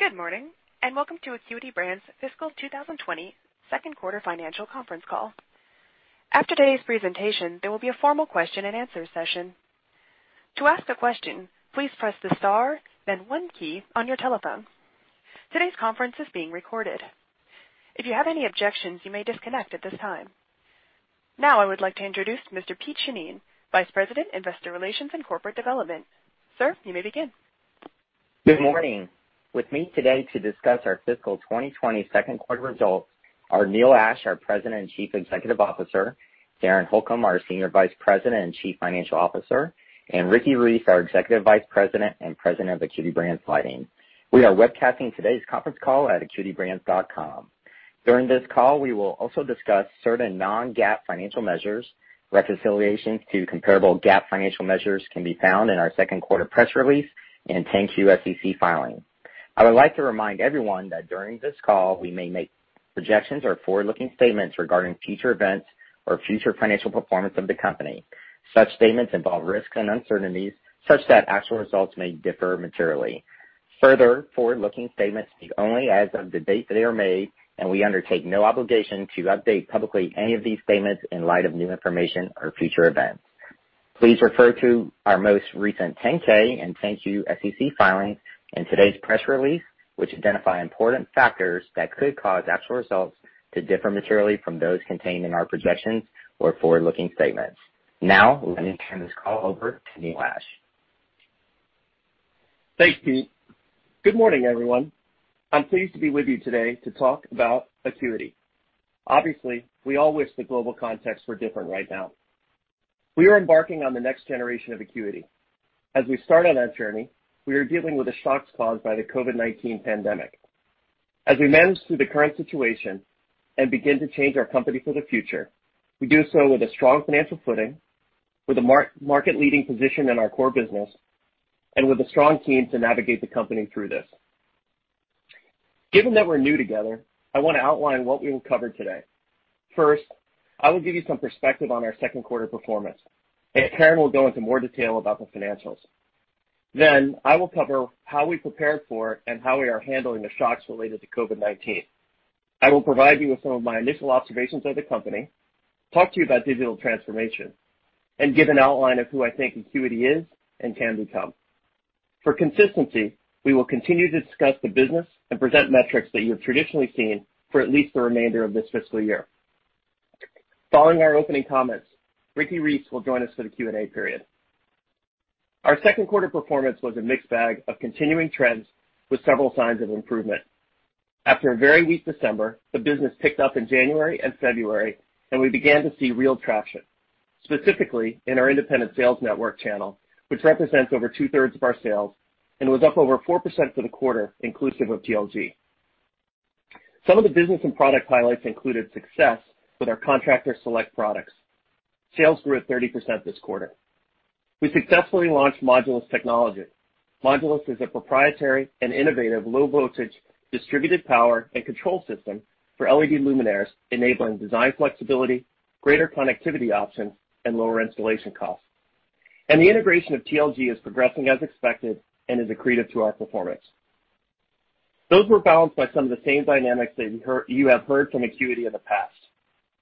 Good morning. Welcome to Acuity Brands' Fiscal 2020 second quarter financial conference call. After today's presentation, there will be a formal question and answer session. To ask a question, please press the star, then one key on your telephone. Today's conference is being recorded. If you have any objections, you may disconnect at this time. I would like to introduce Mr. Pete Shannin, Vice President, Investor Relations, and Corporate Development. Sir, you may begin. Good morning. With me today to discuss our fiscal 2020 second quarter results are Neil Ashe, our President and Chief Executive Officer; Karen Holcom, our Senior Vice President and Chief Financial Officer; and Ricky Reece, our Executive Vice President and President of Acuity Brands Lighting. We are webcasting today's conference call at acuitybrands.com. During this call, we will also discuss certain non-GAAP financial measures. Reconciliations to comparable GAAP financial measures can be found in our second quarter press release and 10-Q SEC filing. I would like to remind everyone that during this call, we may make projections or forward-looking statements regarding future events or future financial performance of the company. Such statements involve risks and uncertainties such that actual results may differ materially. Further, forward-looking statements speak only as of the date that they are made, and we undertake no obligation to update publicly any of these statements in light of new information or future events. Please refer to our most recent 10-K and 10-Q SEC filing and today's press release, which identify important factors that could cause actual results to differ materially from those contained in our projections or forward-looking statements. Now, let me turn this call over to Neil Ashe. Thanks, Pete. Good morning, everyone. I'm pleased to be with you today to talk about Acuity. Obviously, we all wish the global context were different right now. We are embarking on the next generation of Acuity. As we start on that journey, we are dealing with the shocks caused by the COVID-19 pandemic. As we manage through the current situation and begin to change our company for the future, we do so with a strong financial footing, with a market-leading position in our core business, and with a strong team to navigate the company through this. Given that we're new together, I want to outline what we will cover today. First, I will give you some perspective on our second quarter performance, and Karen will go into more detail about the financials. Then, I will cover how we prepared for and how we are handling the shocks related to COVID-19. I will provide you with some of my initial observations of the company, talk to you about digital transformation, and give an outline of who I think Acuity is and can become. For consistency, we will continue to discuss the business and present metrics that you have traditionally seen for at least the remainder of this fiscal year. Following our opening comments, Ricky Reece will join us for the Q&A period. Our second quarter performance was a mixed bag of continuing trends with several signs of improvement. After a very weak December, the business picked up in January and February, and we began to see real traction, specifically in our independent sales network channel, which represents over two-thirds of our sales and was up over 4% for the quarter, inclusive of TLG. Some of the business and product highlights included success with our Contractor Select products. Sales grew at 30% this quarter. We successfully launched Modulus technology. Modulus is a proprietary and innovative low-voltage distributed power and control system for LED luminaires, enabling design flexibility, greater connectivity options, and lower installation costs. The integration of TLG is progressing as expected and is accretive to our performance. Those were balanced by some of the same dynamics that you have heard from Acuity in the past.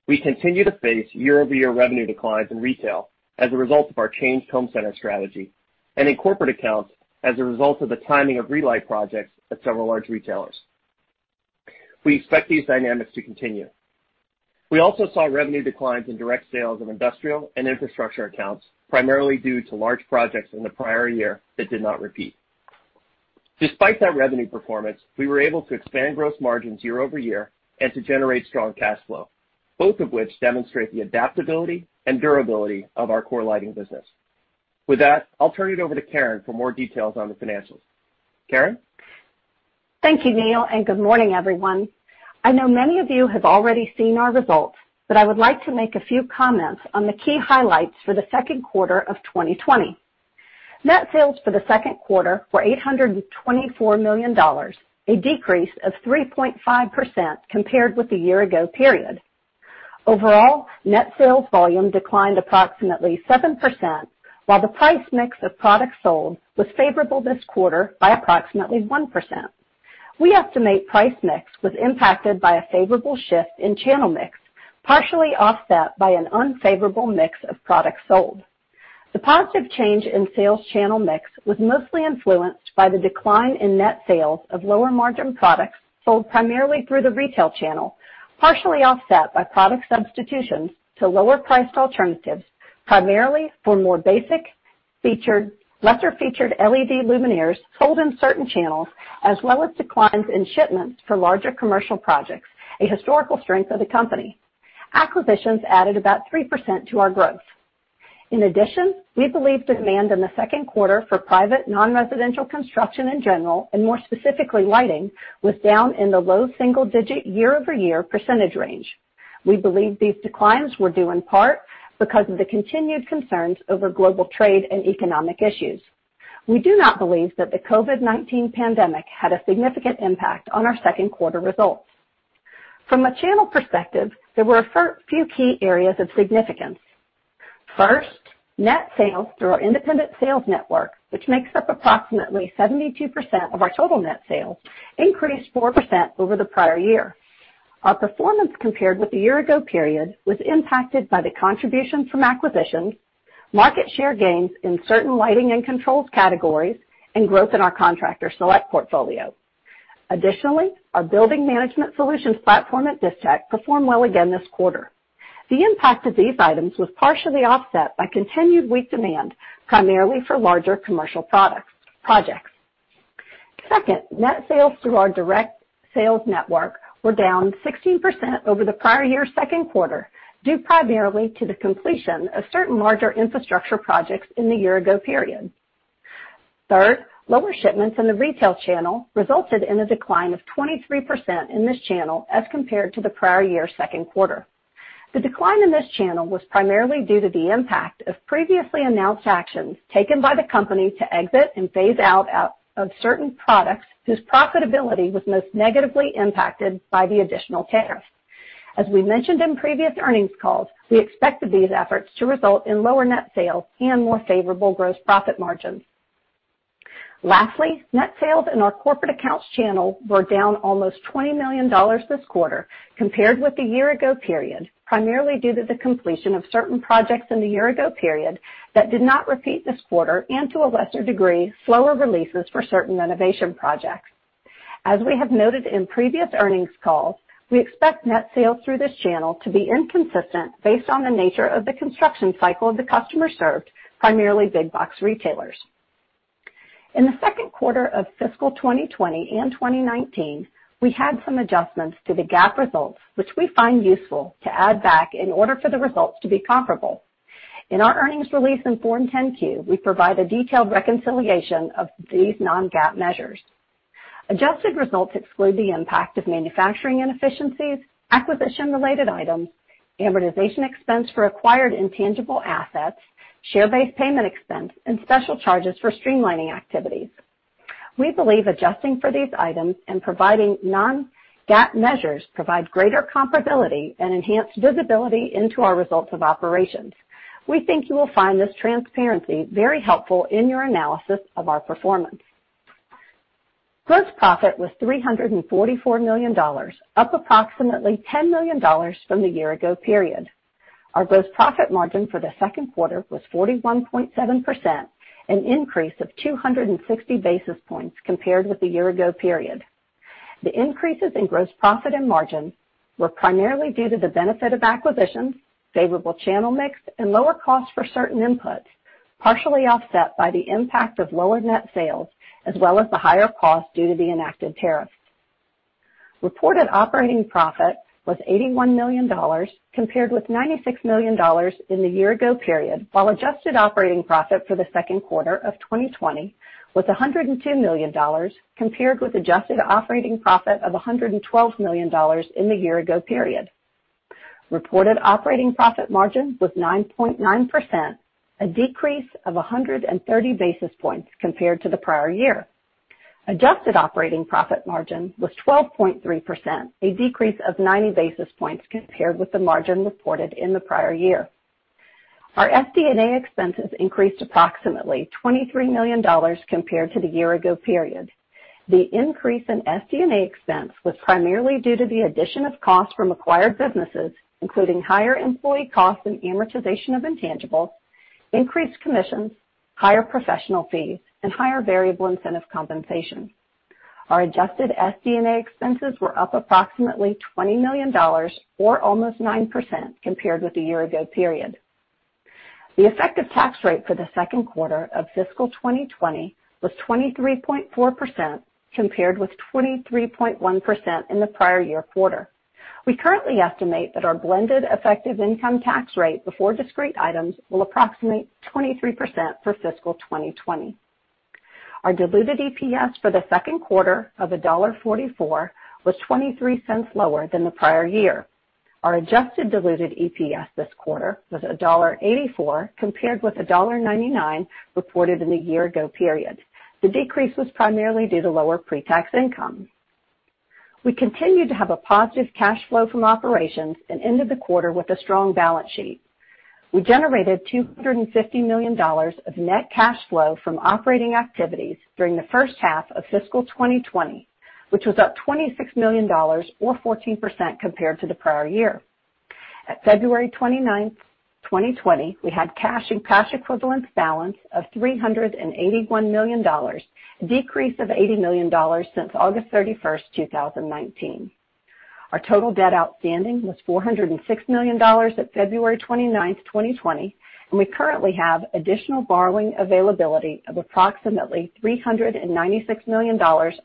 We continue to face year-over-year revenue declines in retail as a result of our changed home center strategy, and in corporate accounts as a result of the timing of relight projects at several large retailers. We expect these dynamics to continue. We also saw revenue declines in direct sales of industrial and infrastructure accounts, primarily due to large projects in the prior year that did not repeat. Despite that revenue performance, we were able to expand gross margins year-over-year and to generate strong cash flow, both of which demonstrate the adaptability and durability of our core lighting business. With that, I'll turn it over to Karen for more details on the financials. Karen? Thank you, Neil, and good morning, everyone. I know many of you have already seen our results, I would like to make a few comments on the key highlights for the second quarter of 2020. Net sales for the second quarter were $824 million, a decrease of 3.5% compared with the year ago period. Overall, net sales volume declined approximately 7%, while the price mix of products sold was favorable this quarter by approximately 1%. We estimate price mix was impacted by a favorable shift in channel mix, partially offset by an unfavorable mix of products sold. The positive change in sales channel mix was mostly influenced by the decline in net sales of lower-margin products sold primarily through the retail channel, partially offset by product substitutions to lower-priced alternatives, primarily for more basic, lesser-featured LED luminaires sold in certain channels, as well as declines in shipments for larger commercial projects, a historical strength of the company. Acquisitions added about 3% to our growth. In addition, we believe demand in the second quarter for private non-residential construction in general, and more specifically lighting, was down in the low single-digit year-over-year percentage range. We believe these declines were due in part because of the continued concerns over global trade and economic issues. We do not believe that the COVID-19 pandemic had a significant impact on our second quarter results. From a channel perspective, there were a few key areas of significance. First, net sales through our independent sales network, which makes up approximately 72% of our total net sales, increased 4% over the prior year. Our performance compared with the year ago period was impacted by the contribution from acquisitions, market share gains in certain lighting and controls categories, and growth in our Contractor Select portfolio. Additionally, our building management solutions platform at Distech performed well again this quarter. The impact of these items was partially offset by continued weak demand, primarily for larger commercial projects. Second, net sales through our direct sales network were down 16% over the prior year second quarter, due primarily to the completion of certain larger infrastructure projects in the year ago period. Third, lower shipments in the retail channel resulted in a decline of 23% in this channel as compared to the prior year second quarter. The decline in this channel was primarily due to the impact of previously announced actions taken by the company to exit and phase out of certain products whose profitability was most negatively impacted by the additional tariffs. As we mentioned in previous earnings calls, we expected these efforts to result in lower net sales and more favorable gross profit margins. Lastly, net sales in our corporate accounts channel were down almost $20 million this quarter compared with the year ago period, primarily due to the completion of certain projects in the year ago period that did not repeat this quarter, and to a lesser degree, slower releases for certain renovation projects. As we have noted in previous earnings calls, we expect net sales through this channel to be inconsistent based on the nature of the construction cycle of the customer served, primarily big box retailers. In the second quarter of fiscal 2020 and 2019, we had some adjustments to the GAAP results, which we find useful to add back in order for the results to be comparable. In our earnings release and Form 10-Q, we provide a detailed reconciliation of these non-GAAP measures. Adjusted results exclude the impact of manufacturing inefficiencies, acquisition-related items, amortization expense for acquired intangible assets, share-based payment expense, and special charges for streamlining activities. We believe adjusting for these items and providing non-GAAP measures provide greater comparability and enhanced visibility into our results of operations. We think you will find this transparency very helpful in your analysis of our performance. Gross profit was $344 million, up approximately $10 million from the year ago period. Our gross profit margin for the second quarter was 41.7%, an increase of 260 basis points compared with the year ago period. The increases in gross profit and margin were primarily due to the benefit of acquisitions, favorable channel mix, and lower costs for certain inputs, partially offset by the impact of lower net sales as well as the higher cost due to the enacted tariffs. Reported operating profit was $81 million, compared with $96 million in the year ago period, while adjusted operating profit for the second quarter of 2020 was $102 million, compared with adjusted operating profit of $112 million in the year ago period. Reported operating profit margin was 9.9%, a decrease of 130 basis points compared to the prior year. Adjusted operating profit margin was 12.3%, a decrease of 90 basis points compared with the margin reported in the prior year. Our SD&A expenses increased approximately $23 million compared to the year ago period. The increase in SD&A expense was primarily due to the addition of costs from acquired businesses, including higher employee costs and amortization of intangibles, increased commissions, higher professional fees, and higher variable incentive compensation. Our adjusted SD&A expenses were up approximately $20 million or almost 9% compared with the year ago period. The effective tax rate for the second quarter of fiscal 2020 was 23.4%, compared with 23.1% in the prior year quarter. We currently estimate that our blended effective income tax rate before discrete items will approximate 23% for fiscal 2020. Our diluted EPS for the second quarter of $1.44 was $0.23 lower than the prior year. Our adjusted diluted EPS this quarter was $1.84, compared with $1.99 reported in the year ago period. The decrease was primarily due to lower pre-tax income. We continued to have a positive cash flow from operations and ended the quarter with a strong balance sheet. We generated $250 million of net cash flow from operating activities during the first half of fiscal 2020, which was up $26 million or 14% compared to the prior year. At February 29, 2020, we had cash and cash equivalents balance of $381 million, a decrease of $80 million since August 31, 2019. Our total debt outstanding was $406 million at February 29, 2020, and we currently have additional borrowing availability of approximately $396 million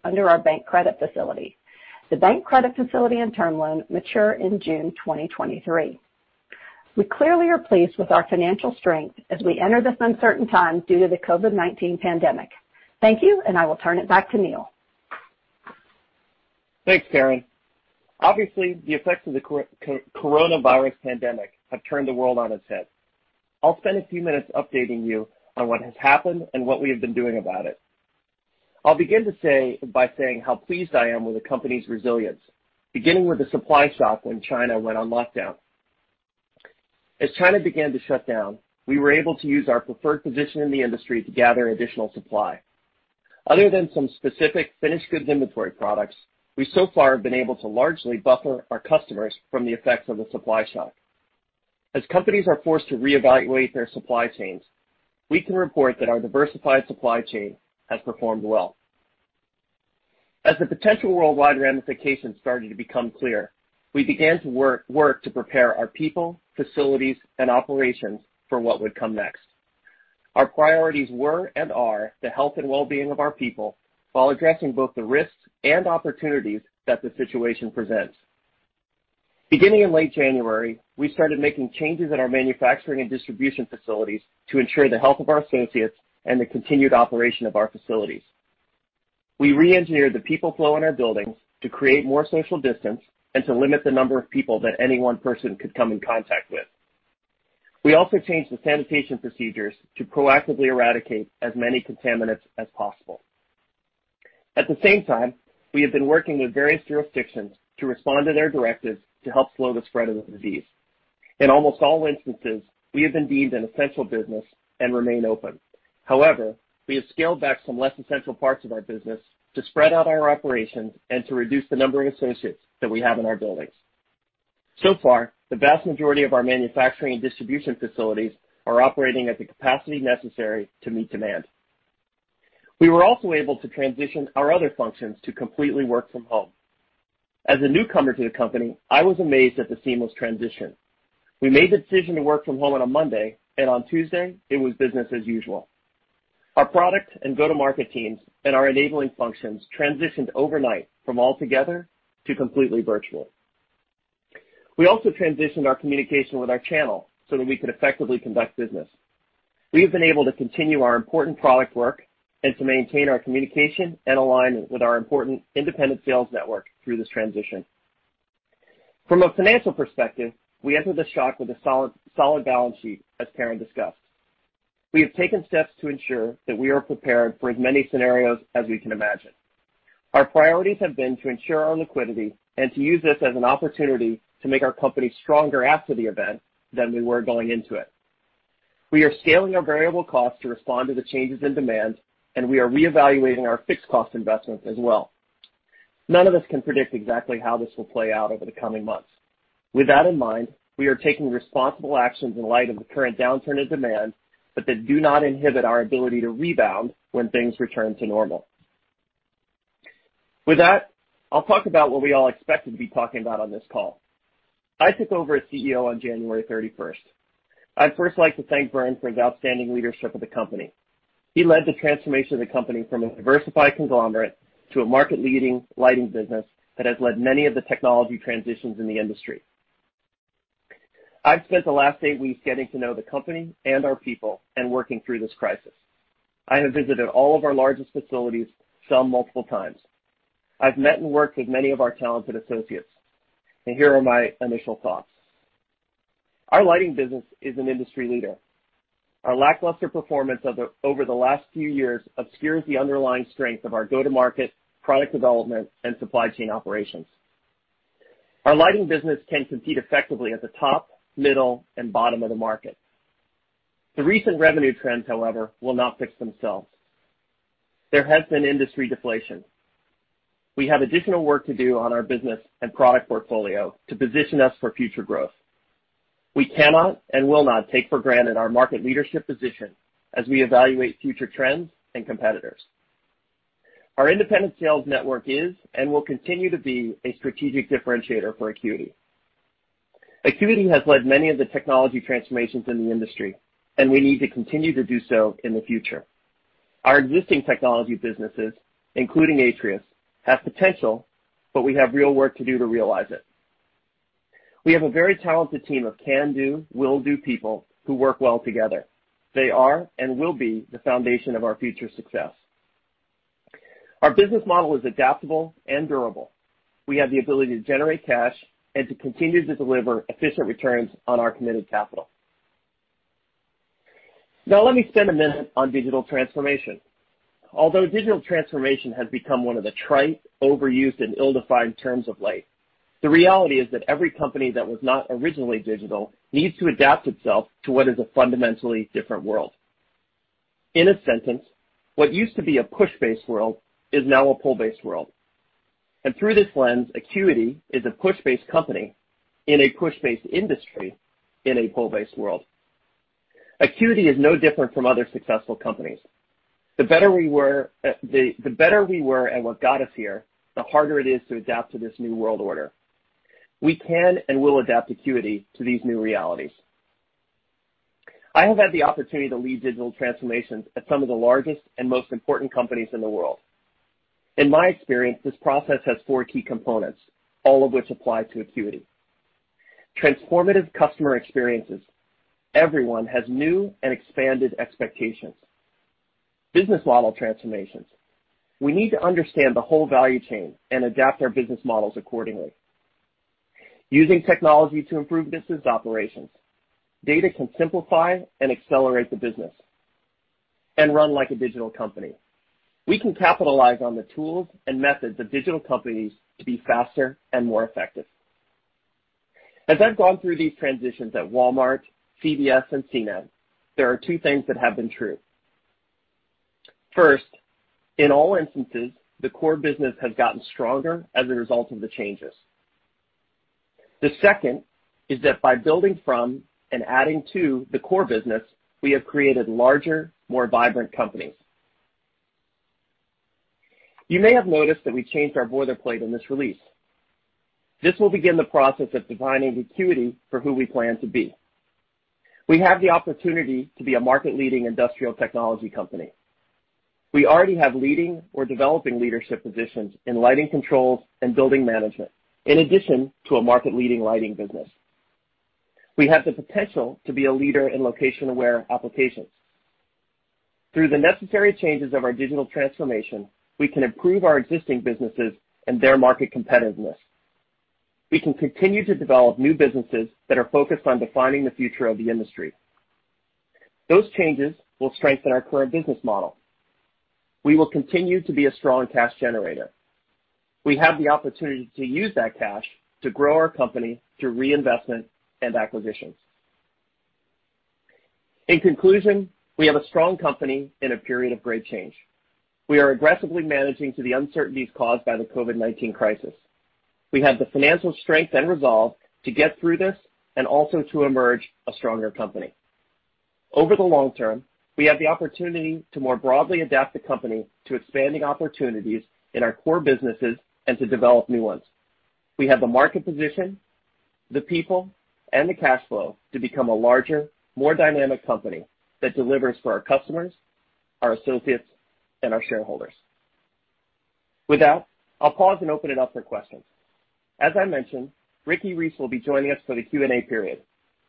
under our bank credit facility. The bank credit facility and term loan mature in June 2023. We clearly are pleased with our financial strength as we enter this uncertain time due to the COVID-19 pandemic. Thank you, and I will turn it back to Neil. Thanks, Karen. Obviously, the effects of the coronavirus pandemic have turned the world on its head. I'll spend a few minutes updating you on what has happened and what we have been doing about it. I'll begin by saying how pleased I am with the company's resilience, beginning with the supply shock when China went on lockdown. As China began to shut down, we were able to use our preferred position in the industry to gather additional supply. Other than some specific finished goods inventory products, we so far have been able to largely buffer our customers from the effects of the supply shock. As companies are forced to reevaluate their supply chains, we can report that our diversified supply chain has performed well. As the potential worldwide ramifications started to become clear, we began to work to prepare our people, facilities, and operations for what would come next. Our priorities were and are the health and wellbeing of our people while addressing both the risks and opportunities that the situation presents. Beginning in late January, we started making changes at our manufacturing and distribution facilities to ensure the health of our associates and the continued operation of our facilities. We reengineered the people flow in our buildings to create more social distance and to limit the number of people that any one person could come in contact with. We also changed the sanitation procedures to proactively eradicate as many contaminants as possible. At the same time, we have been working with various jurisdictions to respond to their directives to help slow the spread of the disease. In almost all instances, we have been deemed an essential business and remain open. We have scaled back some less essential parts of our business to spread out our operations and to reduce the number of associates that we have in our buildings. The vast majority of our manufacturing and distribution facilities are operating at the capacity necessary to meet demand. We were also able to transition our other functions to completely work from home. As a newcomer to the company, I was amazed at the seamless transition. We made the decision to work from home on a Monday. On Tuesday it was business as usual. Our product and go-to-market teams and our enabling functions transitioned overnight from all together to completely virtual. We also transitioned our communication with our channel so that we could effectively conduct business. We have been able to continue our important product work and to maintain our communication and alignment with our important independent sales network through this transition. From a financial perspective, we entered the shock with a solid balance sheet, as Karen discussed. We have taken steps to ensure that we are prepared for as many scenarios as we can imagine. Our priorities have been to ensure our liquidity and to use this as an opportunity to make our company stronger after the event than we were going into it. We are scaling our variable costs to respond to the changes in demand, and we are reevaluating our fixed cost investments as well. None of us can predict exactly how this will play out over the coming months. With that in mind, we are taking responsible actions in light of the current downturn in demand, but that do not inhibit our ability to rebound when things return to normal. With that, I'll talk about what we all expected to be talking about on this call. I took over as CEO on January 31st. I'd first like to thank Vern for his outstanding leadership of the company. He led the transformation of the company from a diversified conglomerate to a market-leading lighting business that has led many of the technology transitions in the industry. I've spent the last eight weeks getting to know the company and our people and working through this crisis. I have visited all of our largest facilities, some multiple times. I've met and worked with many of our talented associates, and here are my initial thoughts. Our lighting business is an industry leader. Our lackluster performance over the last few years obscures the underlying strength of our go-to-market, product development, and supply chain operations. Our lighting business can compete effectively at the top, middle, and bottom of the market. The recent revenue trends, however, will not fix themselves. There has been industry deflation. We have additional work to do on our business and product portfolio to position us for future growth. We cannot and will not take for granted our market leadership position as we evaluate future trends and competitors. Our independent sales network is and will continue to be a strategic differentiator for Acuity. Acuity has led many of the technology transformations in the industry, and we need to continue to do so in the future. Our existing technology businesses, including Atrius, have potential, but we have real work to do to realize it. We have a very talented team of can-do, will-do people who work well together. They are and will be the foundation of our future success. Our business model is adaptable and durable. We have the ability to generate cash and to continue to deliver efficient returns on our committed capital. Let me spend a minute on digital transformation. Although digital transformation has become one of the trite, overused, and ill-defined terms of late, the reality is that every company that was not originally digital needs to adapt itself to what is a fundamentally different world. In a sentence, what used to be a push-based world is now a pull-based world. Through this lens, Acuity is a push-based company in a push-based industry in a pull-based world. Acuity is no different from other successful companies. The better we were at what got us here, the harder it is to adapt to this new world order. We can and will adapt Acuity to these new realities. I have had the opportunity to lead digital transformations at some of the largest and most important companies in the world. In my experience, this process has four key components, all of which apply to Acuity. Transformative customer experiences. Everyone has new and expanded expectations. Business model transformations. We need to understand the whole value chain and adapt our business models accordingly. Using technology to improve business operations. Data can simplify and accelerate the business and run like a digital company. We can capitalize on the tools and methods of digital companies to be faster and more effective. As I've gone through these transitions at Walmart, CBS, and CNET, there are two things that have been true. First, in all instances, the core business has gotten stronger as a result of the changes. The second is that by building from and adding to the core business, we have created larger, more vibrant companies. You may have noticed that we changed our boilerplate in this release. This will begin the process of defining Acuity for who we plan to be. We have the opportunity to be a market-leading industrial technology company. We already have leading or developing leadership positions in lighting controls and building management, in addition to a market-leading lighting business. We have the potential to be a leader in location-aware applications. Through the necessary changes of our digital transformation, we can improve our existing businesses and their market competitiveness. We can continue to develop new businesses that are focused on defining the future of the industry. Those changes will strengthen our current business model. We will continue to be a strong cash generator. We have the opportunity to use that cash to grow our company through reinvestment and acquisitions. In conclusion, we have a strong company in a period of great change. We are aggressively managing to the uncertainties caused by the COVID-19 crisis. We have the financial strength and resolve to get through this and also to emerge a stronger company. Over the long term, we have the opportunity to more broadly adapt the company to expanding opportunities in our core businesses and to develop new ones. We have the market position, the people, and the cash flow to become a larger, more dynamic company that delivers for our customers, our associates, and our shareholders. With that, I'll pause and open it up for questions. As I mentioned, Ricky Reece will be joining us for the Q&A period.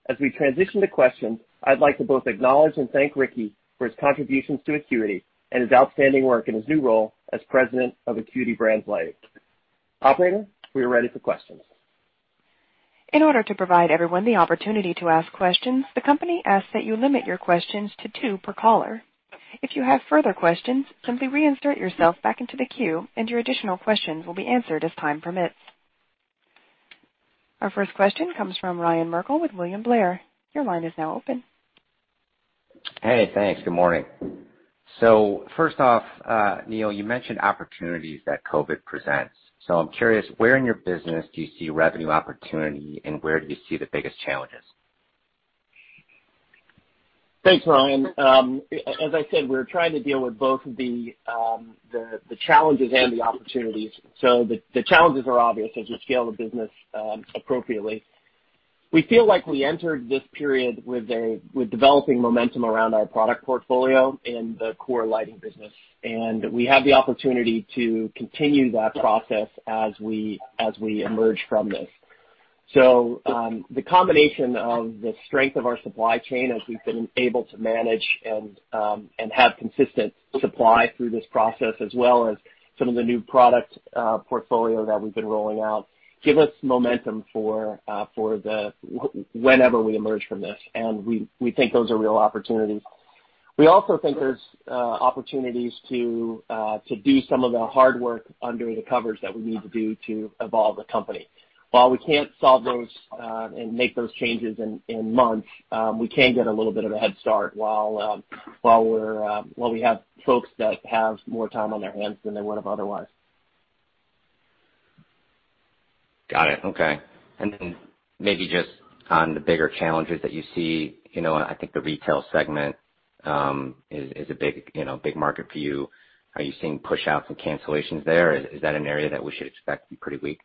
As we transition to questions, I'd like to both acknowledge and thank Ricky for his contributions to Acuity and his outstanding work in his new role as President of Acuity Brands Lighting. Operator, we are ready for questions. In order to provide everyone the opportunity to ask questions, the company asks that you limit your questions to two per caller. If you have further questions, simply reinsert yourself back into the queue, and your additional questions will be answered as time permits. Our first question comes from Ryan Merkel with William Blair. Your line is now open. Hey, thanks. Good morning. First off, Neil, you mentioned opportunities that COVID presents. I'm curious, where in your business do you see revenue opportunity, and where do you see the biggest challenges? Thanks, Ryan. As I said, we're trying to deal with both the challenges and the opportunities. The challenges are obvious as we scale the business appropriately. We feel like we entered this period with developing momentum around our product portfolio in the core lighting business, and we have the opportunity to continue that process as we emerge from this. The combination of the strength of our supply chain as we've been able to manage and have consistent supply through this process as well as some of the new product portfolio that we've been rolling out give us momentum for whenever we emerge from this. We think those are real opportunities. We also think there's opportunities to do some of the hard work under the covers that we need to do to evolve the company. While we can't solve those and make those changes in months, we can get a little bit of a head start while we have folks that have more time on their hands than they would have otherwise. Got it. Okay. Maybe just on the bigger challenges that you see, I think the retail segment is a big market for you. Are you seeing pushouts and cancellations there? Is that an area that we should expect to be pretty weak?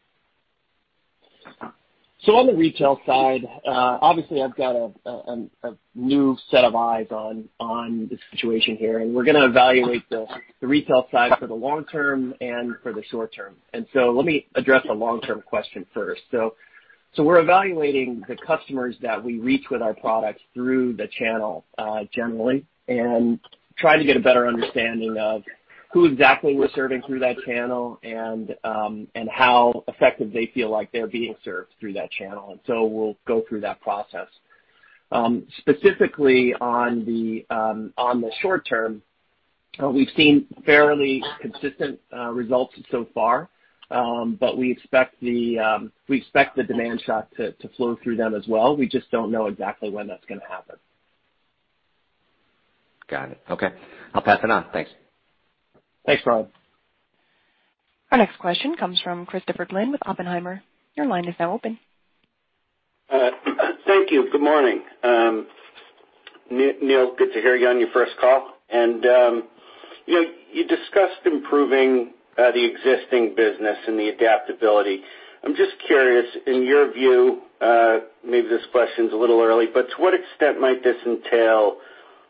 On the retail side, obviously I've got a new set of eyes on the situation here, and we're going to evaluate the retail side for the long term and for the short term. Let me address the long-term question first. We're evaluating the customers that we reach with our products through the channel generally and trying to get a better understanding of who exactly we're serving through that channel and how effective they feel like they're being served through that channel. We'll go through that process. Specifically on the short term, we've seen fairly consistent results so far, but we expect the demand shock to flow through them as well. We just don't know exactly when that's going to happen. Got it. Okay. I'll pass it on. Thanks. Thanks, Ryan. Our next question comes from Christopher Glynn with Oppenheimer. Your line is now open. Thank you. Good morning. Neil, good to hear you on your first call. You discussed improving the existing business and the adaptability. I'm just curious, in your view, maybe this question's a little early, but to what extent might this entail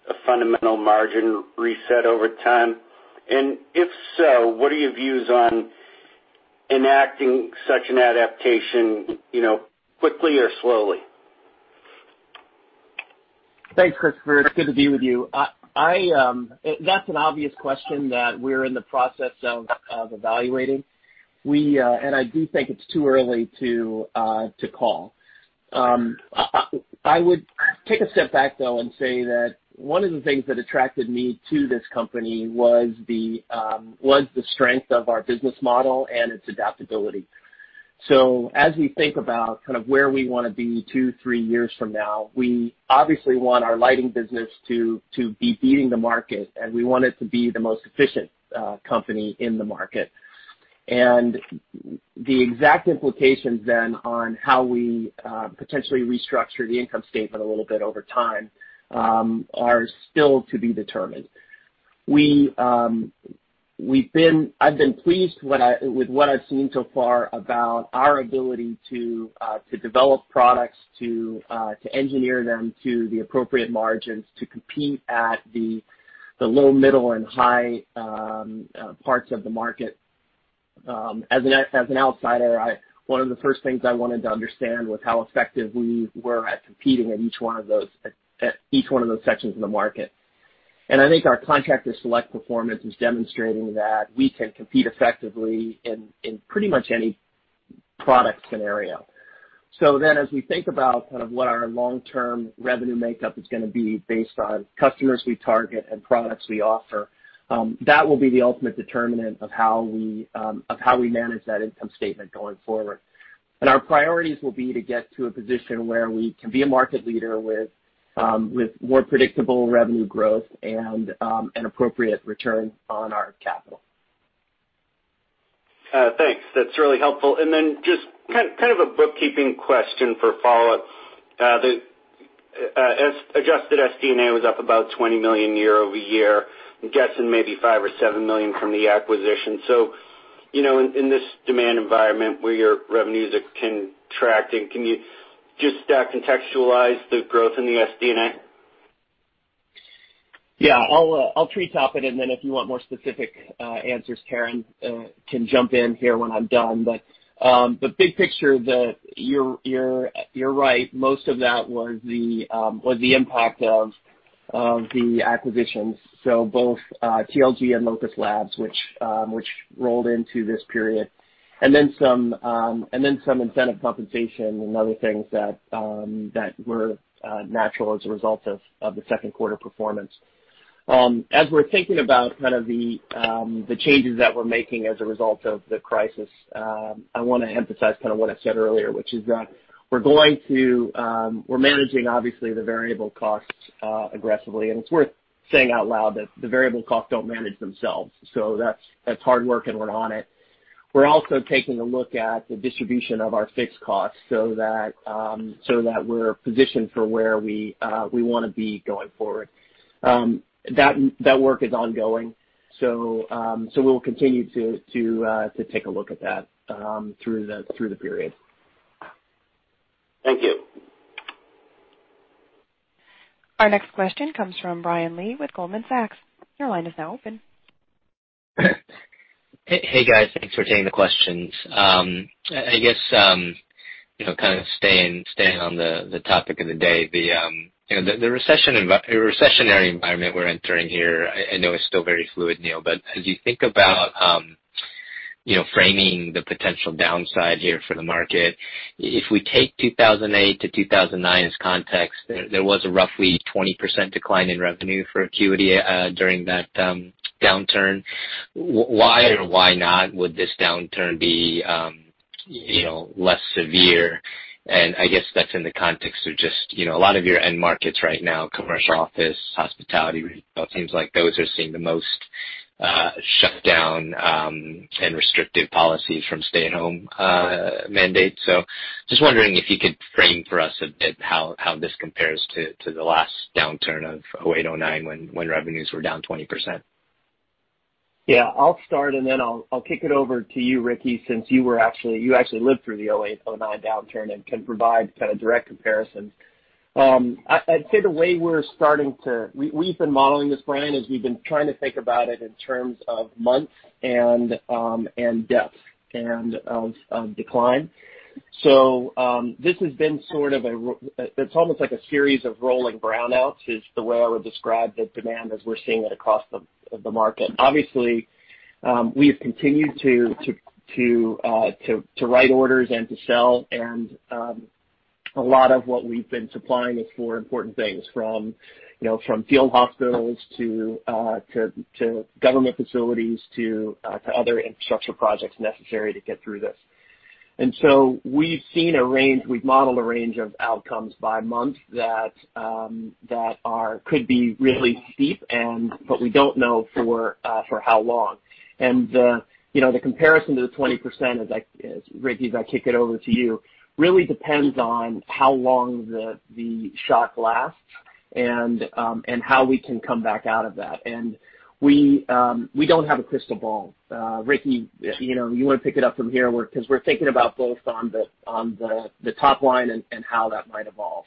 a fundamental margin reset over time? If so, what are your views on enacting such an adaptation quickly or slowly? Thanks, Christopher. It's good to be with you. That's an obvious question that we're in the process of evaluating. I do think it's too early to call. I would take a step back, though, and say that one of the things that attracted me to this company was the strength of our business model and its adaptability. As we think about where we want to be two, three years from now, we obviously want our lighting business to be beating the market, and we want it to be the most efficient company in the market. The exact implications then on how we potentially restructure the income statement a little bit over time are still to be determined. I've been pleased with what I've seen so far about our ability to develop products, to engineer them to the appropriate margins to compete at the low, middle, and high parts of the market. As an outsider, one of the first things I wanted to understand was how effective we were at competing at each one of those sections in the market. I think our Contractor Select performance is demonstrating that we can compete effectively in pretty much any product scenario. As we think about what our long-term revenue makeup is going to be based on customers we target and products we offer, that will be the ultimate determinant of how we manage that income statement going forward. Our priorities will be to get to a position where we can be a market leader with more predictable revenue growth and an appropriate return on our capital. Thanks. That's really helpful. Just kind of a bookkeeping question for follow-up. Adjusted SD&A was up about $20 million year-over-year. I'm guessing maybe $5 million or $7 million from the acquisition. In this demand environment where your revenues are contracting, can you just contextualize the growth in the SD&A? Yeah, I'll tree top it, and then if you want more specific answers, Karen can jump in here when I'm done. The big picture that you're right, most of that was the impact of the acquisitions. Both TLG and LocusLabs, which rolled into this period, and then some incentive compensation and other things that were natural as a result of the second quarter performance. As we're thinking about the changes that we're making as a result of the crisis, I want to emphasize what I said earlier, which is that we're managing, obviously, the variable costs aggressively. It's worth saying out loud that the variable costs don't manage themselves. That's hard work, and we're on it. We're also taking a look at the distribution of our fixed costs so that we're positioned for where we want to be going forward. That work is ongoing. We'll continue to take a look at that through the period. Thank you. Our next question comes from Brian Lee with Goldman Sachs. Your line is now open. Hey, guys. Thanks for taking the questions. I guess staying on the topic of the day, the recessionary environment we're entering here, I know it's still very fluid, Neil, but as you think about framing the potential downside here for the market, if we take 2008 to 2009 as context, there was a roughly 20% decline in revenue for Acuity during that downturn. Why or why not would this downturn be less severe? I guess that's in the context of just a lot of your end markets right now, commercial office, hospitality, retail, it seems like those are seeing the most shutdown and restrictive policies from stay-at-home mandates. Just wondering if you could frame for us a bit how this compares to the last downturn of 2008, 2009, when revenues were down 20%. Yeah, I'll start, and then I'll kick it over to you, Ricky, since you actually lived through the 2008, 2009 downturn and can provide kind of direct comparisons. I'd say the way we've been modeling this, Brian, as we've been trying to think about it in terms of months and depth and of decline. This has been it's almost like a series of rolling brownouts is the way I would describe the demand as we're seeing it across the market. Obviously, we have continued to write orders and to sell, a lot of what we've been supplying is for important things from field hospitals to government facilities to other infrastructure projects necessary to get through this. We've seen a range, we've modeled a range of outcomes by month that could be really steep, but we don't know for how long. The comparison to the 20%, as Ricky, as I kick it over to you, really depends on how long the shock lasts and how we can come back out of that. We don't have a crystal ball. Ricky, you want to pick it up from here? Because we're thinking about both on the top line and how that might evolve.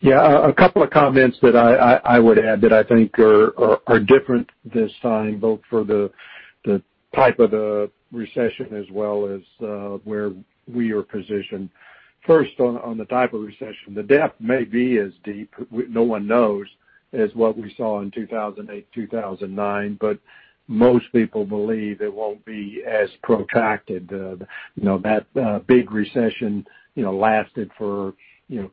Yeah. A couple of comments that I would add that I think are different this time, both for the type of recession as well as where we are positioned. First, on the type of recession, the depth may be as deep, no one knows, as what we saw in 2008, 2009, but most people believe it won't be as protracted. That big recession lasted for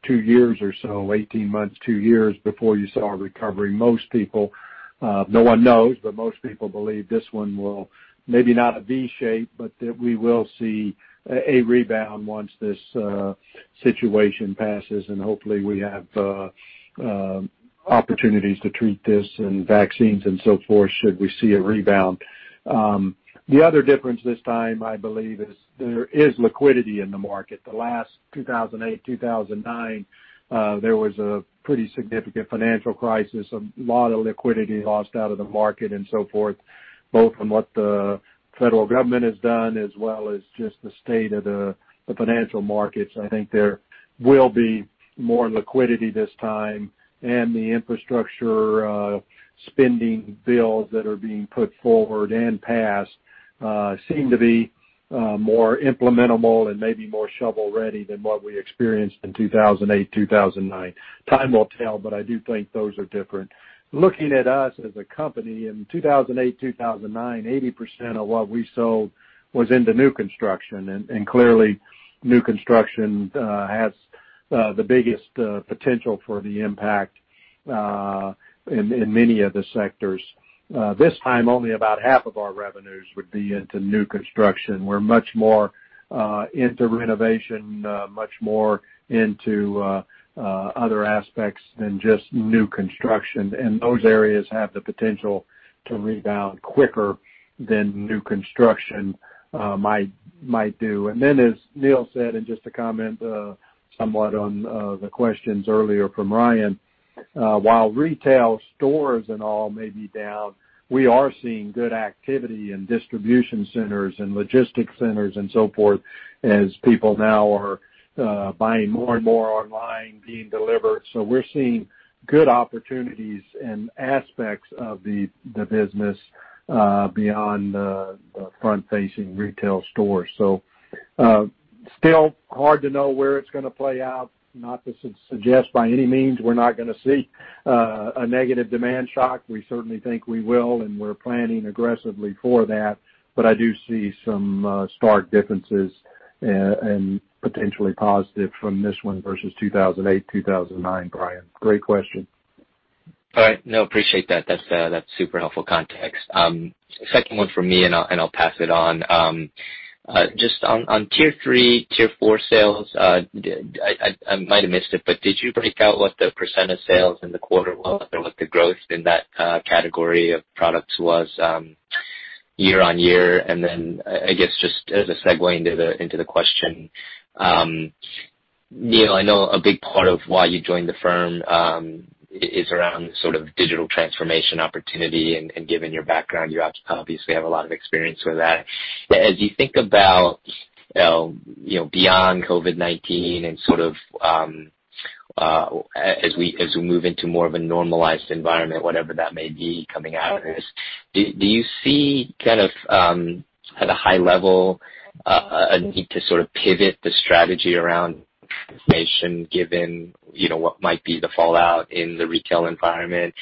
two years or so, 18 months, two years before you saw a recovery. No one knows, but most people believe this one will, maybe not a V-shape, but that we will see a rebound once this situation passes, and hopefully we have opportunities to treat this and vaccines and so forth, should we see a rebound. The other difference this time, I believe, is there is liquidity in the market. The last, 2008, 2009, there was a pretty significant financial crisis. A lot of liquidity lost out of the market and so forth, both from what the federal government has done as well as just the state of the financial markets. I think there will be more liquidity this time and the infrastructure spending bills that are being put forward and passed seem to be more implementable and maybe more shovel-ready than what we experienced in 2008, 2009. Time will tell, but I do think those are different. Looking at us as a company, in 2008, 2009, 80% of what we sold was into new construction, and clearly, new construction has the biggest potential for the impact in many of the sectors. This time, only about half of our revenues would be into new construction. We're much more into renovation, much more into other aspects than just new construction. Those areas have the potential to rebound quicker than new construction might do. As Neil said, just to comment somewhat on the questions earlier from Ryan, while retail stores and all may be down, we are seeing good activity in distribution centers and logistics centers and so forth as people now are buying more and more online, being delivered. We're seeing good opportunities in aspects of the business beyond the front-facing retail stores. Still hard to know where it's going to play out. Not to suggest by any means we're not going to see a negative demand shock. We certainly think we will, and we're planning aggressively for that. I do see some stark differences and potentially positive from this one versus 2008, 2009, Brian. Great question. All right. No, appreciate that. That's super helpful context. Second one from me, I'll pass it on. Just on Tier 3, Tier 4 sales, I might have missed it, did you break out what the percent of sales in the quarter was or what the growth in that category of products was year-on-year? I guess just as a segue into the question, Neil, I know a big part of why you joined the firm is around the digital transformation opportunity, and given your background, you obviously have a lot of experience with that. As you think about beyond COVID-19 and as we move into more of a normalized environment, whatever that may be coming out of this, do you see kind of at a high level, a need to sort of pivot the strategy around transformation given what might be the fallout in the retail environment?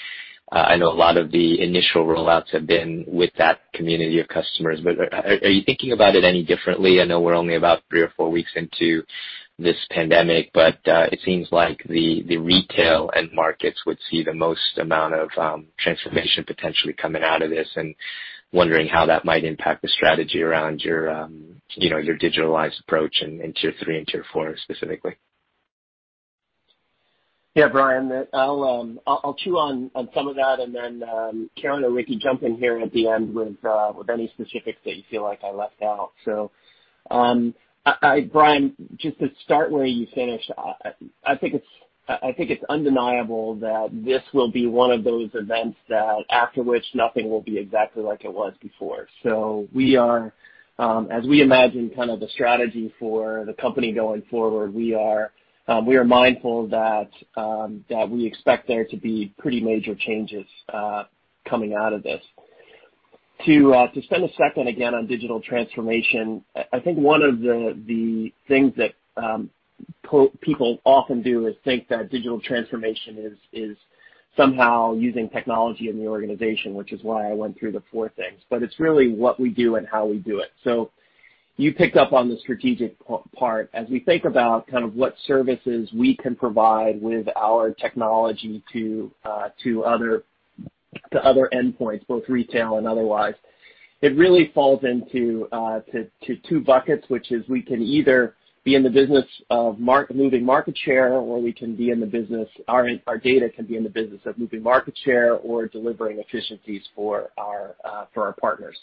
I know a lot of the initial rollouts have been with that community of customers, but are you thinking about it any differently? I know we're only about three or four weeks into this pandemic, but it seems like the retail end markets would see the most amount of transformation potentially coming out of this, and wondering how that might impact the strategy around your digitalized approach in Tier 3 and Tier 4 specifically. Brian. I'll chew on some of that and then Karen or Ricky, jump in here at the end with any specifics that you feel like I left out. Brian, just to start where you finished, I think it's undeniable that this will be one of those events that after which nothing will be exactly like it was before. As we imagine kind of the strategy for the company going forward, we are mindful that we expect there to be pretty major changes coming out of this. To spend a second again on digital transformation, I think one of the things that people often do is think that digital transformation is somehow using technology in the organization, which is why I went through the four things, but it's really what we do and how we do it. You picked up on the strategic part. As we think about kind of what services we can provide with our technology to other endpoints, both retail and otherwise, it really falls into two buckets, which is we can either be in the business of moving market share, or our data can be in the business of moving market share or delivering efficiencies for our partners.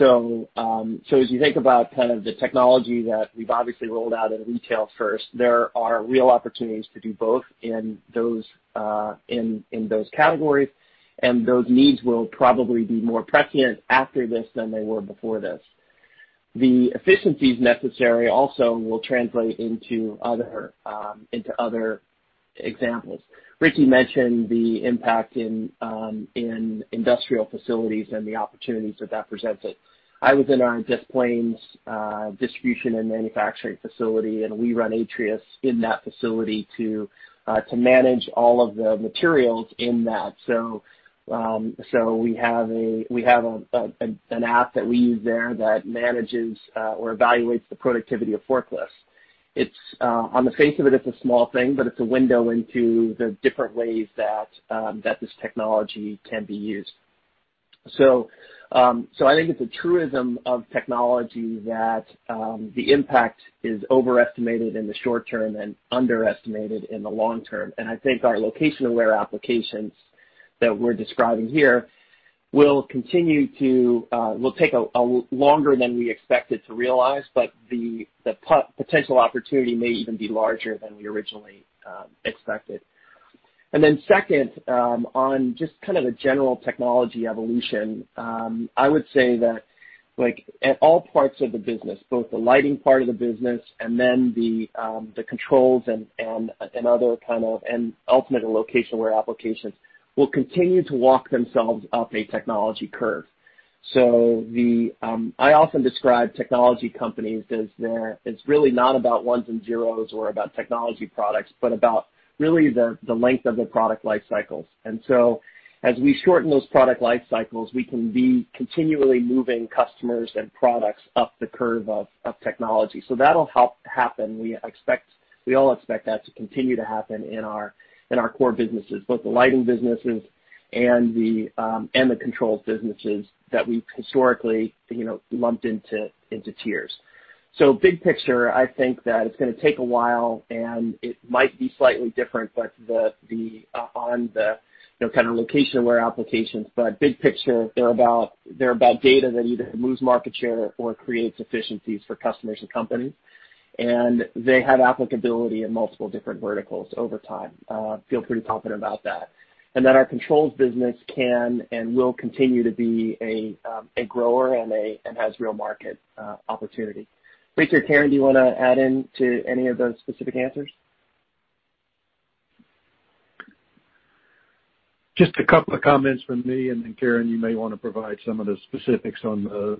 As you think about kind of the technology that we've obviously rolled out in retail first, there are real opportunities to do both in those categories, and those needs will probably be more prescient after this than they were before this. The efficiencies necessary also will translate into other examples. Ricky mentioned the impact in industrial facilities and the opportunities that it presents it. I was in our Des Plaines distribution and manufacturing facility, and we run Atrius in that facility to manage all of the materials in that. We have an app that we use there that manages or evaluates the productivity of forklifts. On the face of it's a small thing, but it's a window into the different ways that this technology can be used. I think it's a truism of technology that the impact is overestimated in the short term and underestimated in the long term. I think our location-aware applications that we're describing here will take longer than we expected to realize, but the potential opportunity may even be larger than we originally expected. Then second, on just kind of a general technology evolution, I would say that at all parts of the business, both the lighting part of the business and then the controls and ultimately location-aware applications will continue to walk themselves up a technology curve. I often describe technology companies as it's really not about ones and zeros or about technology products, but about really the length of the product life cycles. As we shorten those product life cycles, we can be continually moving customers and products up the curve of technology. That'll happen. We all expect that to continue to happen in our core businesses, both the lighting businesses and the controls businesses that we've historically lumped into tiers. Big picture, I think that it's going to take a while, and it might be slightly different on the kind of location-aware applications. Big picture, they're about data that either moves market share or creates efficiencies for customers and companies, and they have applicability in multiple different verticals over time. Feel pretty confident about that. That our controls business can and will continue to be a grower and has real market opportunity. Ricky or Karen, do you want to add in to any of those specific answers? Just a couple of comments from me, and then Karen, you may want to provide some of the specifics on the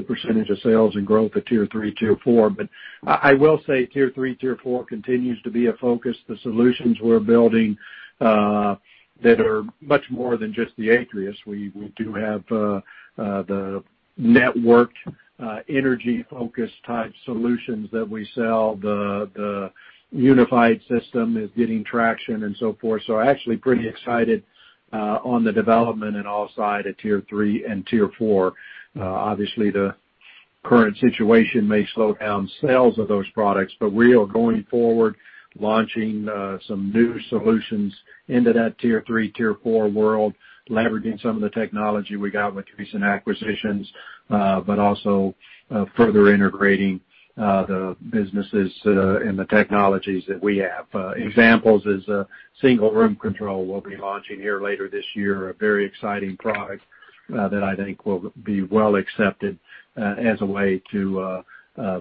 percentage of sales and growth at tier 3, tier 4. I will say tier 3, tier 4 continues to be a focus. The solutions we're building that are much more than just the Atrius. We do have the networked, energy-focused type solutions that we sell. The unified system is getting traction and so forth. Actually pretty excited on the development and offside at tier 3 and tier 4. Obviously, the current situation may slow down sales of those products, but we are going forward launching some new solutions into that tier 3, tier 4 world, leveraging some of the technology we got with recent acquisitions, but also further integrating the businesses and the technologies that we have. Examples is a single room control we'll be launching here later this year. A very exciting product that I think will be well accepted as a way to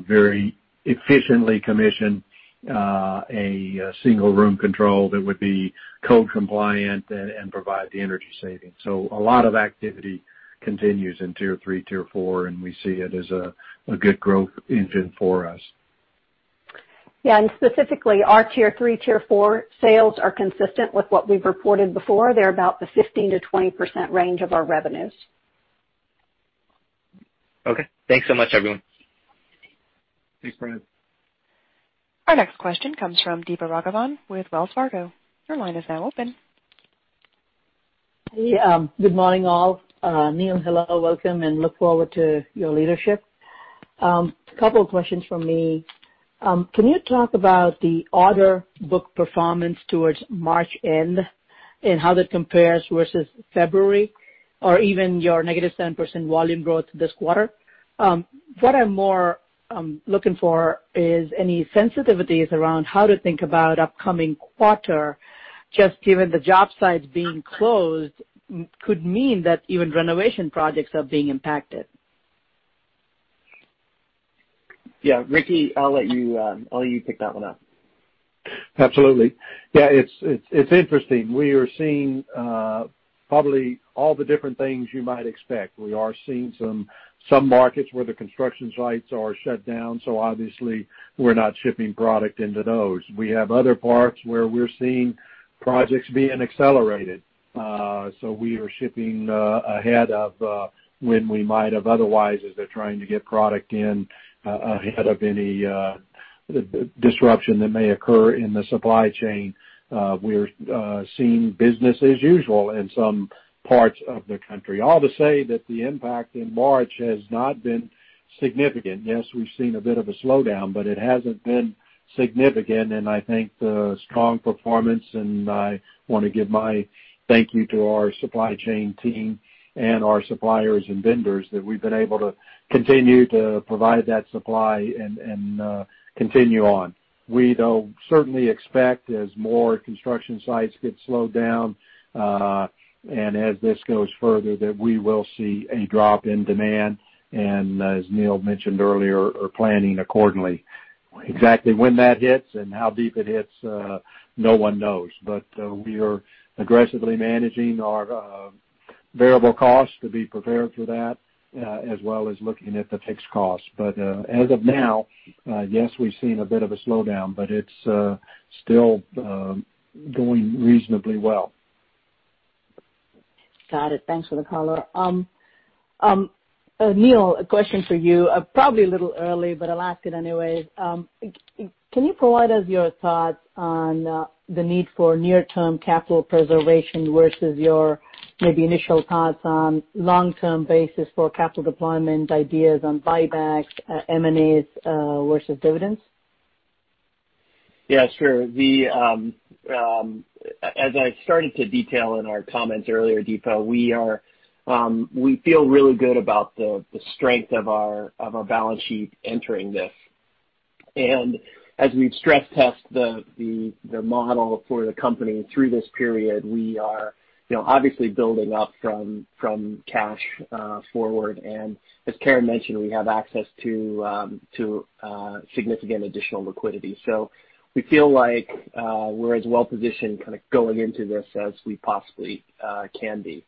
very efficiently commission a single room control that would be code compliant and provide the energy savings. A lot of activity continues in tier 3, tier 4, and we see it as a good growth engine for us. Yeah, specifically, our tier 3, tier 4 sales are consistent with what we've reported before. They're about the 15%-20% range of our revenues. Okay. Thanks so much, everyone. Thanks, Brian. Our next question comes from Deepa Raghavan with Wells Fargo. Your line is now open. Hey, good morning, all. Neil, hello, welcome. Look forward to your leadership. Couple of questions from me. Can you talk about the order book performance towards March end, and how that compares versus February, or even your -7% volume growth this quarter? What I'm more looking for is any sensitivities around how to think about upcoming quarter, just given the job sites being closed could mean that even renovation projects are being impacted. Yeah. Ricky, I'll let you pick that one up. Absolutely. Yeah, it's interesting. We are seeing probably all the different things you might expect. We are seeing some markets where the construction sites are shut down, so obviously we're not shipping product into those. We have other parts where we're seeing projects being accelerated. We are shipping ahead of when we might have otherwise, as they're trying to get product in ahead of any disruption that may occur in the supply chain. We're seeing business as usual in some parts of the country. All to say that the impact in March has not been significant. Yes, we've seen a bit of a slowdown, but it hasn't been significant, and I think the strong performance, and I want to give my thank you to our supply chain team and our suppliers and vendors that we've been able to continue to provide that supply and continue on. We though certainly expect as more construction sites get slowed down, and as this goes further, that we will see a drop in demand, and as Neil mentioned earlier, are planning accordingly. Exactly when that hits and how deep it hits, no one knows. We are aggressively managing our variable costs to be prepared for that, as well as looking at the fixed costs. As of now, yes, we've seen a bit of a slowdown, but it's still going reasonably well. Got it. Thanks for the color. Neil, a question for you, probably a little early, but I'll ask it anyway. Can you provide us your thoughts on the need for near-term capital preservation versus your maybe initial thoughts on long-term basis for capital deployment, ideas on buybacks, M&As versus dividends? Yeah, sure. As I started to detail in our comments earlier, Deepa, we feel really good about the strength of our balance sheet entering this. As we've stress-tested the model for the company through this period, we are obviously building up from cash forward. As Karen mentioned, we have access to significant additional liquidity. We feel like we're as well-positioned going into this as we possibly can be.